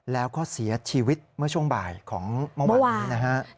แล้วก็เสียชีวิตเมื่อช่วงบ่ายของเมื่อวานนี้นะฮะ